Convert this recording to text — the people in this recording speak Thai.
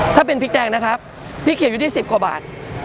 ถ้าเป็นพริกแดงนะครับพี่เขียนอยู่ที่๑๐กว่าบาท